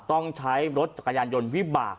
ต้องใช้รถจักรยานยนต์วิบาก